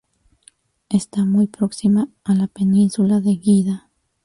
Está muy próxima a la península de Guida.